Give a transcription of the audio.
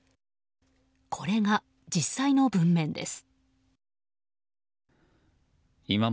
これが、実際の文面です。